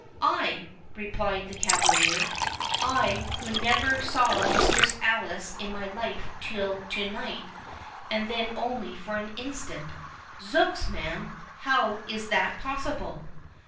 "I!" replied the cavalier, "I, who never saw Mistress Alice in my life till to night, and then only for an instant—zooks, man, how is that possible?"